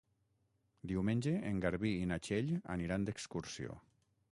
Diumenge en Garbí i na Txell aniran d'excursió.